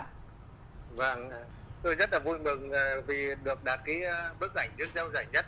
tôi rất là vui mừng vì được đạt cái bức ảnh dước dâu giải nhất